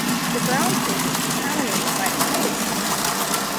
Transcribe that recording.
The ground state is contaminated by excited states.